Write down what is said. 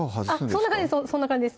そんな感じそんな感じです